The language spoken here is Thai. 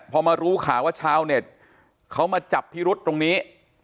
พอมารู้ข่าวว่าชาวเน็ตเขามาจับพิรุษตรงนี้